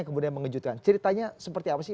yang kemudian mengejutkan ceritanya seperti apa sih